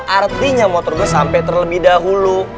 artinya motor gue sampai terlebih dahulu